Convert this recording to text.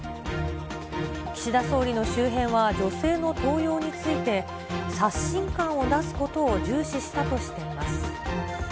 岸田総理の周辺は女性の登用について、刷新感を出すことを重視したとしています。